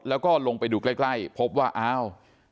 แล้วก็ลงไปดูใกล้ใกล้พบว่าอ้าว